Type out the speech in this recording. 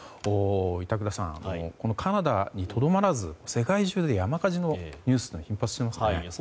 板倉さん、カナダにとどまらず世界中で山火事のニュースが頻発していますね。